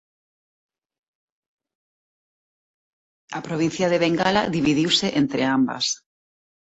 A provincia de Bengala dividiuse entre ambas.